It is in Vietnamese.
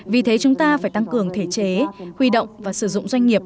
vì thế chúng ta phải tăng cường thể chế huy động và sử dụng doanh nghiệp